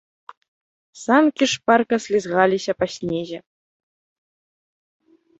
Санкі шпарка слізгаліся па снезе.